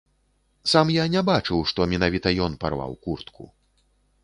Сам я не бачыў, што менавіта ён парваў куртку.